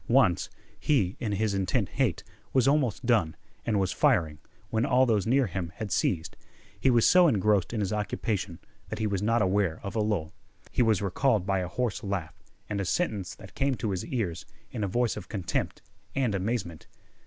Once he, in his intent hate, was almost alone, and was firing, when all those near him had ceased. He was so engrossed in his occupation that he was not aware of a lull. He was recalled by a hoarse laugh and a sentence that came to his ears in a voice of contempt and amazement.